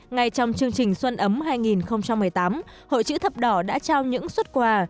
ngay trong chương trình xuân ấm hai nghìn một mươi tám hội chữ thập đỏ đã trao những xuất quà